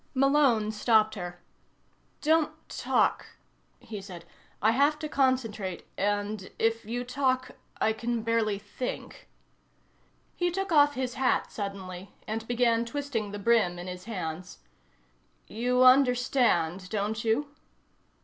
Malone stopped her. "Don't talk," he said. "I have to concentrate and if you talk I can barely think." He took off his hat suddenly, and began twisting the brim in his hands. "You understand, don't you?"